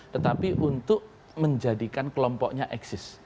tetapi untuk menjadikan kelompoknya eksis